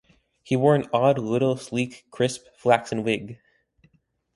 He wore an odd little sleek crisp flaxen wig.